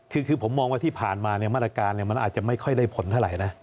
คือผมมองว่าที่ผ่านมามาตรการมันอาจจะไม่ค่อยได้ผลเท่าไหร่นะ